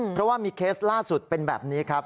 เพราะว่ามีเคสล่าสุดเป็นแบบนี้ครับ